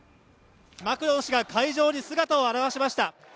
マクロン氏が会場に姿を現しました。